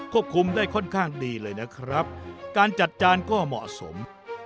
คุมได้ค่อนข้างดีเลยนะครับการจัดจานก็เหมาะสม